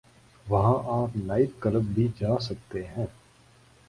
وہاں آپ night club بھی جا سکتے ہیں۔